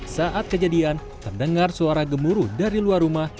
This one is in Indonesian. saat kejadian terdengar suara gemuruh dari luar rumah